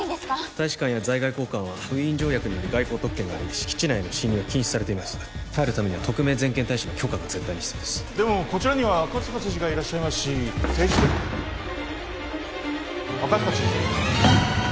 大使館や在外公館はウィーン条約により外交特権があり敷地内への侵入が禁止されています入るためには特命全権大使の許可が絶対に必要ですでもこちらには赤塚知事がいらっしゃいますし政治的赤塚知事？